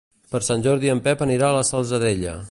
Per Sant Jordi en Pep anirà a la Salzadella.